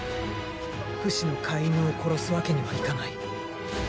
フシの飼い犬を殺すわけにはいかない。